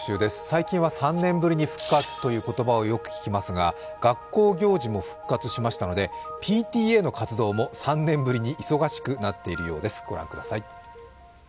最近は、３年ぶりに復活という言葉をよく聞きますが、学校行事も復活しましたのでＰＴＡの活動も３年ぶりに忙しくなっているようです、ご覧ください。